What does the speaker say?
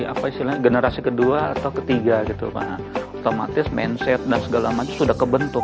apa istilah generasi kedua atau ketiga gitu bahwa otomatis menset dan segala macu sudah kebentuk